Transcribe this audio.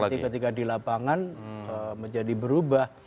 nanti ketika di lapangan menjadi berubah